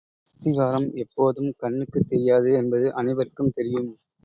அஸ்திவாரம் எப்போதும் கண்ணுக்குத் தெரியாது என்பது அனைவருக்கும் தெரியும்.